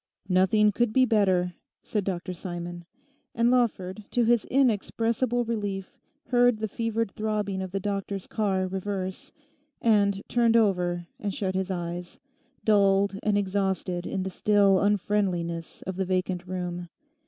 'Nothing could be better,' said Dr Simon; and Lawford, to his inexpressible relief, heard the fevered throbbing of the doctor's car reverse, and turned over and shut his eyes, dulled and exhausted in the still unfriendliness of the vacant room.